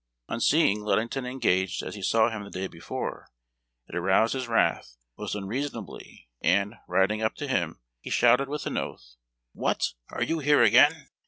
On seeing Ludington engaged as he saw him tlie day before, it aroused his wrath most unreasonably, and, riding up to him, he shouted, with an oath: "What I are you here again!